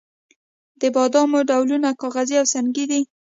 د بادامو ډولونه کاغذي او سنګي دي.